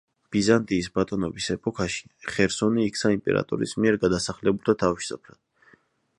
ბიზანტიის ბატონობის ეპოქაში ხერსონი იქცა იმპერატორის მიერ გადასახლებულთა თავშესაფრად.